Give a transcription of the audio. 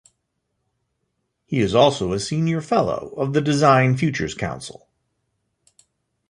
He is also a Senior Fellow of the Design Futures Council.